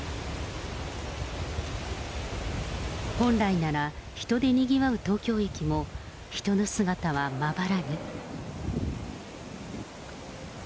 本来なら、人でにぎわう東京駅も、人の姿はまばらに。